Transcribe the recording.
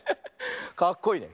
かっこいいね。